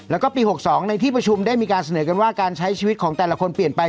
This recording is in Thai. แล้วก็ปี๖๒ในที่ประชุมได้มีการเสนอกันว่าการใช้ชีวิตของแต่ละคนเปลี่ยนไป